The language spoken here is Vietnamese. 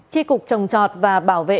chi cục trồng trọt và bảo vệ